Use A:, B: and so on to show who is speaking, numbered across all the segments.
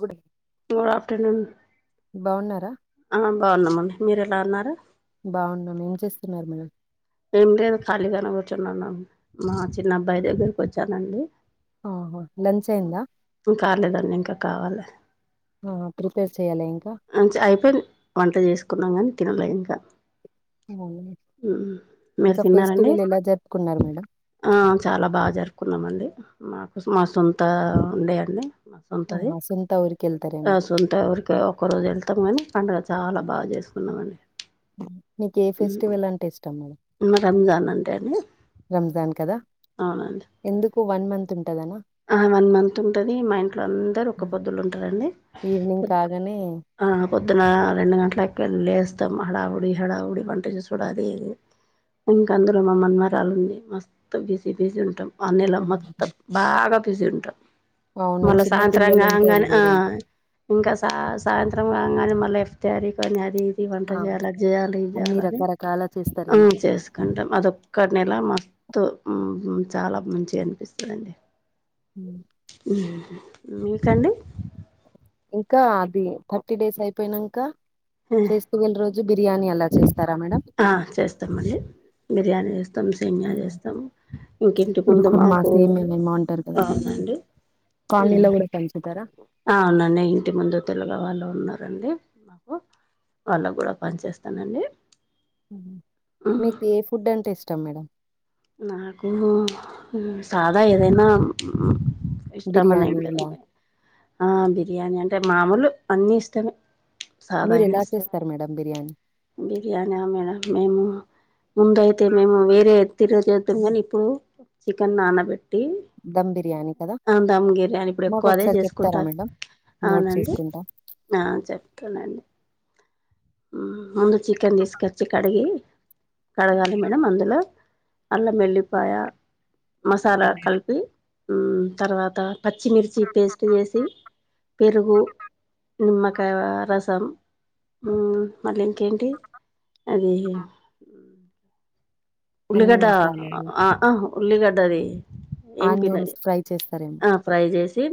A: గుడి
B: good afternoon
A: బాగున్నారా
B: ఆ, బాగున్నామండి, మీరెలా ఉన్నారు?
A: బాగున్నాం. ఏం చేస్తున్నారు మ
B: ఏం లేదు ఖాళీగానే కూర్చొనున్నాను మా చిన్నబ్బాయి దగ్గరకి వచ్చానండి
A: ఆహో లంచ్ అయిందా?
B: కార్లేదండీ ఇంకా కావాలి.
A: ఆహా ప్రిపేర్ చేయాల ఇంకా?
B: అంచె అయిపోయింది వంట చేసుకున్నాం కానీ తినలే ఇంకా
A: ఏమోనే
B: మీరు
A: ఇంక
B: తిన్నారండి
A: ఫెస్టివల్ ఎలా జరుపుకున్నారు మేడం?
B: ఆ చాలా బాగ జరుపుకున్నామండి మాకు మా సొంత ఉండే అండి. మా సొంతది
A: ఆహా సొంత ఊరుకెళ్తారేమో
B: ఆ సొంత ఊరికి ఒకరోజు వెళ్తాం కానీ పండగ చాల బాగ చేసుకున్నామండి.
A: మ్ మీకు ఏ ఫెస్టివల్ అంటే ఇష్టం మేడం?
B: నాకు రంజాన్ అంటే అండి
A: రంజాన్ కదా
B: అవునండి
A: ఎందుకు వన్ మంత్ ఉంటదనా?
B: ఆ వన్ మంత్ ఉంటది మా ఇంట్లో అందరూ ఒక్క పొద్దులు ఉంటారండి.
A: ఈవినింగ్ కాగానే
B: ఆ పొద్దున రెండు గంటలకే లేస్తాం హడావుడి హడావుడి వంట చేసుడు అది ఇది ఇంక అందులో మా మన్మరాలుంది మస్తు బిజీ బిజీ ఉంటాం. ఆ నెల మొత్తం బాగ బిజీ ఉంటాం.
A: అవును
B: మళ్ళ
A: చిన్న
B: సాయంత్రం
A: పిల్లలు ఉంటే అది
B: కాంగనే ఆ
A: వేరేంట
B: ఇంకా సా సాయంత్రం కాంగనే మళ్ళ ఎఫ్ తారీకు అని అది ఇ ఈ వంట
A: ఆ
B: చేయాలి అది చేయాలి ఇది
A: అన్ని
B: చేయాలని
A: రకరకాల
B: ఆ
A: చేస్తారేమో
B: చేసు కంటం అదొక్క నెల మత్తు చాల మంచిగ అనిపిత్తదండి.
A: మ్
B: మీకండి?
A: ఇంకా అది థర్టీ డేస్ అయిపోయినంక ఫెస్టివల్ రోజు బిర్యానీ అలా చేస్తారా మేడం?
B: ఆ చేస్ తమండి బిర్యానీ చేస్ తం సేమ్యా చేస్తాం. ఇంకింటి
A: ఇది
B: ముందు
A: కుర్మా
B: మాకు, అవునండి
A: కాలనీల కూడ పంచుతార?
B: అ అవునండి ఇంటి ముందు తెలుగ వాళ్ళు ఉన్నారండి మాకు వాళ్ళకి కూడా పని చేస్తానండి
A: మీకు ఏ ఫుడ్ అంటే ఇష్టం మేడం
B: నాకు సాదా ఏదైనా ఇష్టం అని ఏం
A: బిర్యానీ
B: లేదండి
A: ఇలా
B: ఆ బిర్యానీ అంటే మామూలు అన్నీ ఇష్టమే
A: మీరు
B: సాదయనా
A: ఎలా
B: ఇ
A: చేస్తారు మేడం బిర్యానీ
B: బిర్యాన మేడం మేము ముందయితే మేము వేరే తిరజేద్దాం కానీ ఇప్పుడు చికెన్ నానబెట్
A: దమ్ బిర్యానీ కదా
B: బిర్యానీ ఇప్పుడు
A: మాకు
B: ఎక్కువ అదే
A: ఒకసారి చెప్తారా
B: చేసుకుంటారు
A: మేడంమ్ నోట్
B: అవునండి
A: చేసుకుంటా
B: ఆ చెప్తలండి ముందు చికెన్ తీసుకొచ్చి కడిగి కడగాలి మేడం అందులో అల్లం మెల్లిపాయ మసాలా కలిపి తర్వాత పచ్చిమిర్చి పేస్ట్ చేసి పెరుగు నిమ్మకాయ రసం మళ్ళీ ఇంకేంటి అది
A: అన్ని
B: ఉల్లిగడ్డ
A: మసాలాలు
B: ఆ ఆ ఉల్లిగడ్డది ఏం పినది
A: ఆనియన్స్ ఫ్రై చేస్తారేమో
B: ఆ ఫ్రై చేసి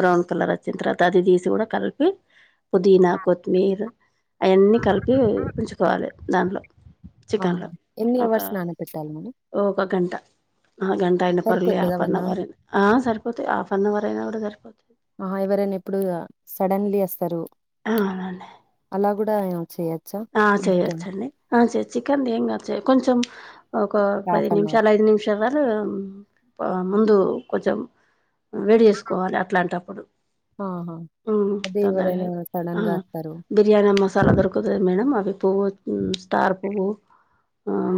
B: బ్రౌన్ కలర్ వచ్చిన తర్వాత అది తీసి కూడా కలిపి పుదీనా కొత్తిమీరు అయన్నీ కలిపి ఉంచుకోవాలి దాంట్లో
A: ఆహా ఎన్ని అవర్స్ నానా పెట్టాలి మేడం
B: ఓ ఒక గంట ఆ గం టైనా పర్లే
A: సరిపోతుందా
B: ఆఫ
A: వన్ అవర్
B: నవర్ ఆ సరిపోతాయి ఆఫన్నవరైనా కూడా సరిపోతా
A: ఆ ఎవరైనా ఇప్పుడు ఆ సడన్లీ వస్తారు
B: అవునండి
A: అలా కూడా ఏ చేయ
B: ఆ చెయొచ్చండి ఆ చేయ చికెన్ ఏం కా చెయ కొంచెం ఒక పది
A: హాఫ్ అన్ అవర్
B: నిమిషాలు ఐదు నిమిషాల ముందు కొంచెం వేడి చేసుకోవాలి అట్లాంటప్పుడు
A: ఆహా
B: హ్మ్
A: అదే
B: తొందరగా
A: ఎవరైనా
B: ఆ
A: సడన్ గా వస్తారు
B: బిర్యానీ మసాలా దొరకుతది మేడం అవి పువ్వు స్టార్ పువ్వు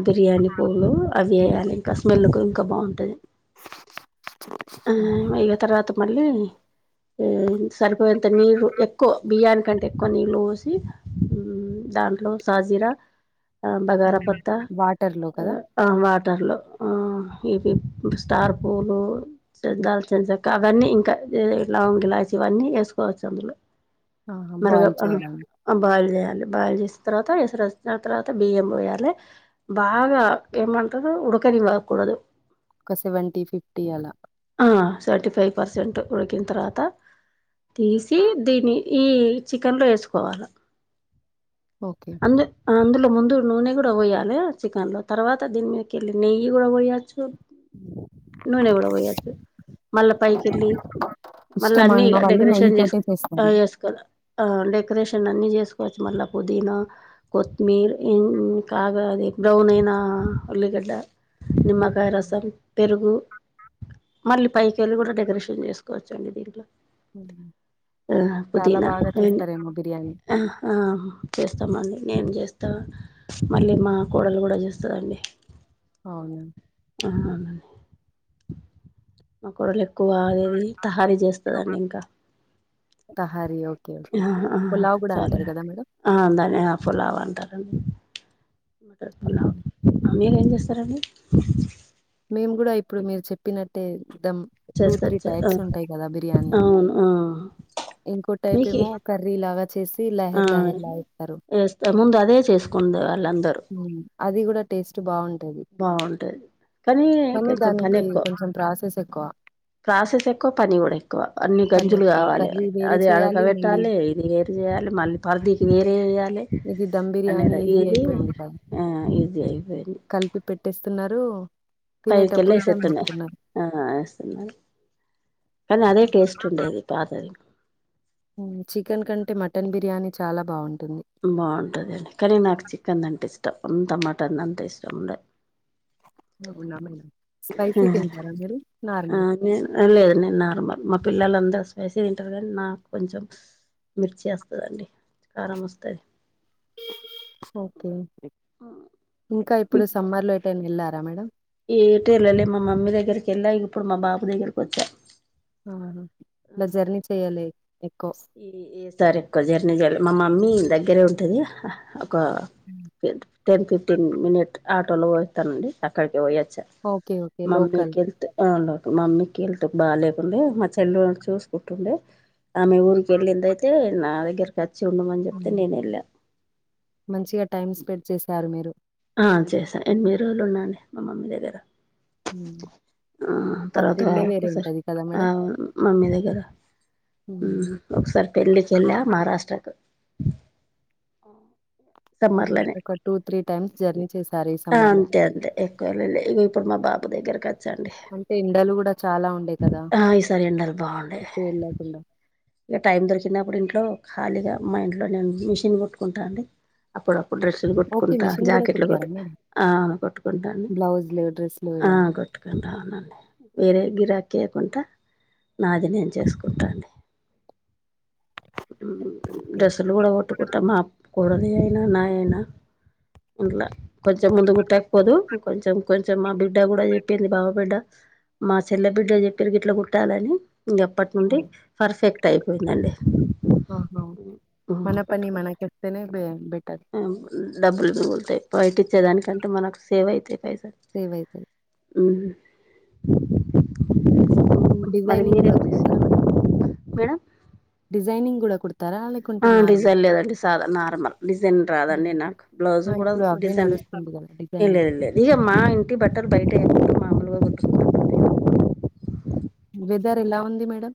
B: బిర్యానీ పువ్వులు అవి వేయాలి ఇంకా స్మెల్ కు ఇంకా బాగుంటది ఆ ఇగ తర్వాత మళ్ళీ సరిపోయేంత నీరు ఎక్కువ బియ్యానికంటే ఎక్కువ నీళ్ళు పోసి దాంట్లో సాజీర బగారాపత్త
A: వాటర్ లో కదా
B: ఆ వాటర్ లో ఆ ఇవి స్టార్ పూలు దాలచ చెక్క అవన్నీ ఇంకా లవంగ్ ఇలాచి ఇవన్నీ వేసుకోవచ్చు అందులో
A: ఆహా!
B: మరగ
A: బాయిల్ చేయడానికి
B: ఆ బాయిల్ చేయ ఆది బాయిల్ చేసిన తర్వాత ఎసరు వచ్చిన తర్వాత బియ్యం పోయాలే బాగా ఏమంటారు ఉడకనివకుడదు
A: ఒక సెవెంటీ ఫిఫ్టీ అలా
B: ఆ సెవంటీ ఫైవ్ పర్సెంట్ ఉడికిన తర్వాత తీసి దీన్ని ఈ చికెన్లో వేసుకోవాల
A: ఓకే
B: అందు అందులో ముందు నూనె కూడా పోయాలి చికెన్లో తర్వాత దీని మీదకేళ్ళి నెయ్యి కూడా పోయచ్చు నూనే కూడా పోయచ్చు మల్ళ పై కెళ్ళి మళ్ళీ
A: ఇష్టం
B: అన్ని
A: అన్న వాళ్ళు నెయ్యి
B: డెకరేషన్
A: తోటే
B: చేసుకో
A: చేస్తారు.
B: చేసుకోల డెకొరేషన్ అన్ని చేసుకోల చేసుకోవాలి మళ్ల పుదినా కొత్తిమీరం ఇక అది బ్రౌన్ అయినా ఉల్లిగడ్డ నిమ్మకాయ రసం పెరుగు మళ్ళీ పైకళ్ళు కూడా డెకరేషన్ చేసుకోవచ్చు
A: హ్మ్.
B: ఆ
A: చాలా
B: పుదిన
A: బాగా
B: పైన
A: చేస్తారేమో బిర్యానీ.
B: ఆ ఆ చేస్తామండి నేను చేస్తా మళ్ళీ మా కోడలు కూడా చేస్తాదండి
A: అవున
B: ఆ మాకు కోడలు ఎక్కువ అదేది తహారీ చేస్తందండి ఇంకా
A: తహారీ ఓకే
B: ఆ
A: పులావ్ కూడా అంటారు కదా మేడం
B: ఆ దాని ఆ పులావ్ అంటారండి మటర్ పులావ్
A: హ్మ్.
B: మీరేం చేస్తారండి
A: మేము కూడా ఇప్పుడు మీరు చెప్పినట్టే చేద్దాం టూ త్రీ
B: చేసుకోవచ్చు ఆ
A: టైప్స్ ఉంటాయి కదా బిర్యానీ
B: అవును ఆ
A: ఇంకో టైప్
B: మీకి
A: ఏమో కర్రీ లా చేసి
B: ఆ
A: లహర్ లహర్ లాగా చేస్తారు
B: వేస్తా ముందు అదే చేసుకుండే వాళ్ళందరూ
A: అది కూడా టేస్ట్ బాగుంటది
B: బాగుంటుంది కానీ కొంచెం పని
A: దానికి
B: ఎక్కువ
A: కొంచెం ప్రాసెస్ ఎక్కువ.
B: ప్రాసెస్ ఎక్కువ పని కూడా ఎక్కువ అన్ని
A: పని
B: గంజులు
A: ఎక్కువ.
B: కావాలి
A: కర్రీ వేరే
B: అది
A: చేయాలి మళ్ళీ
B: అడగబెట్టాలి ఇది వేరు చేయాలి మళీ పరిధీకి వేరే వెయ్యాలే
A: ఇది దమ్ బిర్యానీ
B: అనేది
A: ఈజీ
B: ఏది
A: అయిపోయింది కదా!
B: ఆ ఇజీ అయిపోంది
A: కలిపి పెట్టేస్తున్నారు
B: పైకెళ్ళ
A: తినేటప్పుడు దమ్
B: వేసేస్తున్నాయి
A: వేస్తున్నారు
B: ఆ వేస్తున్నాయి కానీ అదే టేస్ట్ ఉండేది పాతది
A: చికెన్ కంటే మటన్ బిర్యానీ చాలా బాగుంటుంది
B: బాగుంటుంది కానీ నాకు చికెన్ అంటే ఇష్టం మటన్ అంటే అంత ఇష్టం ఉండదు
A: స్పైసీ తింటారా మీరు నార్మల్ ల
B: నే లేదు నేను నార్మల్ మా పిల్లలందరూ స్పెసీ తింటారు కానీ నాకు కొంచెం మిరిచేస్తాదండి కారం వస్తుంది
A: ఓకే ఇంకా ఇప్పుడు సమ్మర్ లో ఎటైనా వెళ్ళారా మేడం
B: ఎటు ఎల్లలే మా మమ్మీ దగ్గరికి వెళ్ళ ఇప్పుడు మా బాబు దగ్గరకి వచ్చా
A: ఇలా జర్నీ చెయాలే ఎక్కువ
B: ఈసారి ఎక్కువ జర్నీ చేయలే మా మమ్మీ దగ్గరే ఉంటుంది ఒక టెన్ ఫిఫ్టీన్ మినిట్ ఆటోలో పోస్తానండి అక్కడికి పోయొచ్చా
A: ఓకే ఓకే
B: మమ్మీ
A: లోకల్
B: కి హెల్త్ బాగుండదు మమ్మీ కి హెల్త్ బాలేకుండే మా చెల్లె వాళ్ళు చూసుకుంటుండే ఆమె ఊరి కెళ్ళిందైతే నా దగ్గరకి వచ్చి ఉండమని చెప్తే
A: హ్మ్.
B: నేను వెళ్ళా
A: మంచిగా టైమ్ స్పెండ్ చేశారు మీరు
B: చేసాను ఎనిమిది రోజులు ఉన్నాండి మా మమ్మీ దగ్గర
A: ఉ
B: ఆ తర్వాత ఒక్క సారీ
A: కదా మేడం
B: మమ్మీ దగ్గర ఊ
A: హ్మ్.
B: ఒకసారి పెళ్ళికి కెళ్ళా మహారాష్ట్రకు ఆ
A: ఒక టూ త్రీ టైమ్స్ జర్నీ చేస్
B: ఆ అంతే అంతే ఎక్కువఎల్లలే ఇగ ఇప్పుడు మా బాబు దగ్గరకి వచ్చండి
A: అంటే ఎండలు కూడా చాలా ఉండే కదా
B: ఆ ఈసారి
A: ఎటు ఎల్లకుండా
B: ఇగ టైం దొరికినప్పుడు ఇంట్లో ఖాళీగా మా ఇంట్లో నేను మిషన్ కొట్టుకుంటాను అండి అప్పుడు అప్పుడు డ్రెస్ లు
A: ఓకే
B: కొట్టుకుంటా
A: మిషన్ కూడా
B: జాకెట్లు కొట్
A: కుడతారా మేడం
B: ఆ కొట్టుకుంటా అండి
A: బ్లౌజ్లు డ్రెస్లు ఇలా
B: కొట్ కుటుకుంటా ఉనండి వేరే గిరాక్కేయకుండా నాది నేను చేసుకుంటాండి
A: ఓకే.
B: డ్రెస్సులు కూడా కుట్టుకుంటా మా కూడలి అయినా నా అయినా ట్లా కొంచెం ముందు కుట్టకపోదు కొంచెం కొంచెం మా బిడ్ డ్డ కూడా చెప్పింది బావ బిడ్డ మా చెల్లె బిడ్డ చెప్పిరు గిట్లా కుట్టాలని అప్పటి నుండి పర్ఫెక్ట్ అయిపోయిందండి
A: ఆహా మన పని మనకి చెప్తేనే బే బెటర్
B: డబ్బులు మీగులుతాయ్ బయటిచ్చే దానికంటే మనకు సేవ్ అయితాయ్ పైసలు
A: సేవైతయ్
B: హూ మరి
A: డిజైనింగ్ కూడా
B: మీరేం
A: కుడతారా మరి
B: మేడం
A: డిజైనింగ్ కూడా కుడతార లేక్
B: ఆ డిజైన్ లేదండి సాదా నార్మల్ డిజైన్ రాదండి నాకు
A: ఆ
B: బ్లౌజు కూడా
A: ఇప్పుడు అవే
B: డిజైన్
A: నడుస్తుంది డిజైనింగ్
B: ఇగ మా ఇంటి బట్టల్ బయటియ్యం మామూలుగా చూస్
A: వెదర్ ఎలా ఉంది మేడం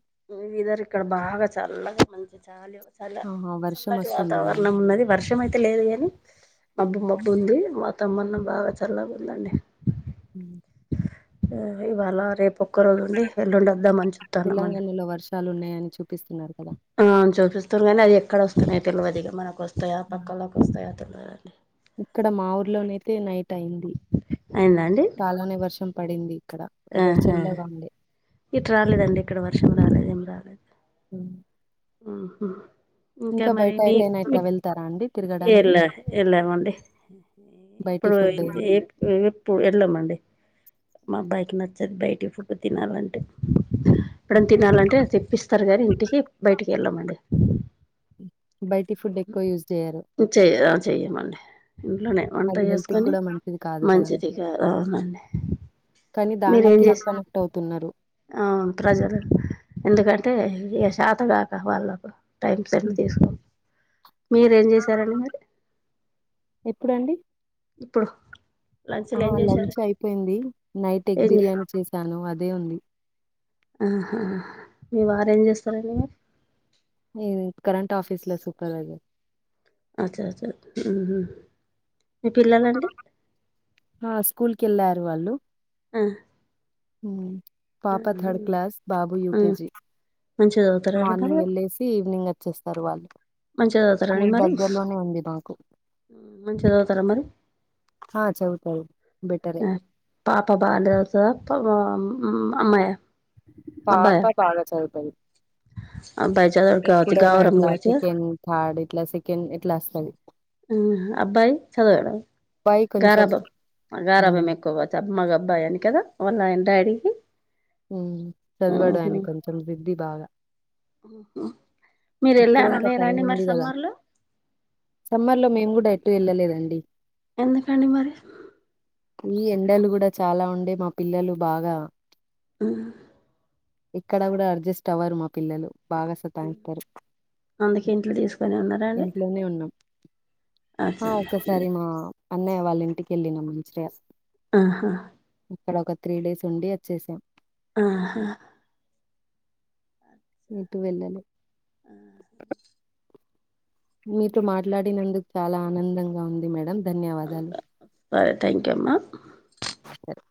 B: వెదర్ ఇక్కడ బాగా చల్లగా మంచి జాలీ చాలా
A: ఆహా వర్షం
B: సల్లటి
A: వస్తుంది కదా
B: వాతావరణం అయితే ఉన్నది వర్షం అయితే లేదుగని మబ్బు మబ్బు ఉంది వాతామాణం బాగా చల్లగా ఉందండి
A: హు
B: ఇవాళ రేపు ఒక్క రోజు ఉండి వెల్లుండి వద్దామని చూతాన్నామండి
A: వర్షాలున్నాయి చూపిస్తున్నారు కదా
B: ఆ చూపిస్తురు గానీ అది ఎక్కడ వస్తున్నాయి తెలియదు ఇక మనకు వస్తాయా పక్కల్లోకి వస్తాయా తెలియదండి
A: ఇక్కడ మా ఊర్లోనైతే నైట్ అయింది
B: అయిందా అండి
A: చాలానే వర్షం పడింది ఇక్కడ వెదర్
B: ఆహా
A: చల్లగా ఉండే
B: ఇటు రాలేదండి ఇక్కడ వర్షం రాలేదు ఏం రాలేదు
A: హ్
B: ఉహూ ఇంకా మరి
A: బయట
B: మీక్
A: ఎటైనా ఇట్లా వెళ్తారా అండి
B: మీఏళ్ల
A: తిరగడానికి
B: ఎల్లమండి
A: బయటి
B: ఇప్పుడు
A: ఫుడ్
B: ఎపు ఏప్ ఎళ్ళామండి మా అబ్బాయికి నచ్చదు బయటి ఫుడ్డు తినాలంటే ఎప్పుడయిన
A: హ్మ్.
B: తినాలంటే తెప్పిస్తారు గనీ ఇంటికి బయటికి వెళ్ళామండి
A: బయటి ఫుడ్ ఎక్కువ యూస్ చేయ్యరు
B: ఉ చెయ్య ఆ చేయ్యమండి ఇంట్లోనే వంట
A: అది హెల్త్
B: చేసుకొని
A: గూడా మంచిది కాదు కదండి.
B: మంచిదిగారావునండి
A: కానీ దానికే కనెక్ట్ అవుతున్నారు
B: అవును ప్రజలు ఎందుకంటే ఇగ శాతగాక వాళ్ళకు టైమ్ సేట్
A: హ్మ్.
B: తీసుకో మీరేం చేసారండి మరి
A: ఎప్పుడండీ
B: ఇప్పుడు లంచ్లు
A: ఆ
B: ఏం చేశారు
A: లంచ్ అయిపోయింది నైట్ ఎగ్
B: ఏం చేశారు?
A: బిర్యానీ చేశాను అదే ఉంది.
B: ఆహ మీ వారు ఏం చేస్తారండి ఇంగా
A: ఏంది కరంట్ ఆఫీస్లో సూపర్ వైజర్
B: అచ్చ అచ్చ ఉహూ మీ పిల్లలండి
A: మా స్కూల్కి వెళ్ళారు వాళ్ళు హ్మ్.
B: ఆ
A: పాప థర్డ్ క్లాస్ బాబు
B: ఆ,
A: యూకేజి
B: మంచిగా చదువుతారండి మరి
A: మార్నింగ్ వెళ్ళేసి ఈవినింగ్ వచ్చేస్తారు వాళ్ళు
B: మంచిగా చదువుతారండి
A: స్కూల్
B: మరి
A: దగ్గరలోనే ఉంది మాకు
B: మంచిగా చదువుతారా మరి
A: హా చదువుతది
B: ఆ పాప బా చదువుతదా ప మామ్ అమ్మాయా
A: పాప బాగా చదువుతాది
B: అబ్బాయి చదవడు కావచ్చు
A: ఎప్పుడైనా
B: గావరం
A: ఇలా
B: కావచ్చు కదా
A: సెకెండ్ థార్డ్ ఇట్లా సెకండ్ ఇట్లా వస్తాది.
B: ఉహా అబ్బాయి చదవాడా
A: అబ్బాయి కొంచెం
B: గారాబం
A: హ్మ్.
B: గారాబం ఎక్కువ త మగ అబ్బాయి అని కదా వాళ్ళ నాయినా డాడీకి.
A: ఉ చదవాడు
B: ఊహు.
A: ఆయన కొంచెం బిజీ బాగా
B: ఉహు మీరు
A: ఇప్పుడే
B: వెళ్ళారా
A: ఇంకా
B: లేరా అండి మరి సమ్మర్లో
A: సమ్మర్లో మేము కూడా ఎటు వెళ్ళలేదండి
B: ఎందుకండి మరి
A: ఈ ఎండలు కూడా చాలా ఉండే మా పిల్లలు బాగా
B: ఉ
A: ఇక్కడ కూడా అడ్జస్ట్ అవ్వారు మా పిల్లలు బాగా సత్ తాయిస్తారు
B: అందుకే ఇంట్లో తీసుకొని ఉన్నారా అండి
A: ఇంట్లోనే ఉన్నాం ఆ
B: అట్లనా
A: ఒక్కసారి మా అన్నయ్య వాళ్ళ ఇంటికి వెళ్ళినం మంచిగా.
B: ఆహా
A: ఇక్కడ ఒక త్రీ డేస్ ఉండి వచ్చేసాం
B: ఆహా
A: ఎటు వెళ్ళలే
B: ఆ హా
A: మీతో మాట్లాడినందుకు చాలా ఆనందంగా ఉంది మేడం. ధన్యవాదాలు
B: సరే థ్యాంక్ యూ అమ్మ
A: సరే